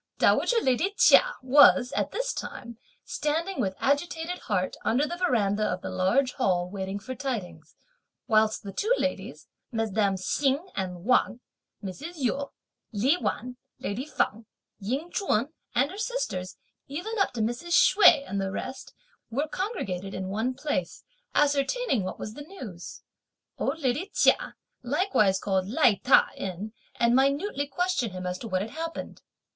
Dowager lady Chia was, at this time, standing, with agitated heart, under the verandah of the Large Hall waiting for tidings, whilst the two ladies, mesdames Hsing and Wang, Mrs. Yu, Li Wan, lady Feng, Ying Ch'un and her sisters, even up to Mrs. Hsüeh and the rest, were congregated in one place ascertaining what was the news. Old lady Chia likewise called Lai Ta in and minutely questioned him as to what had happened.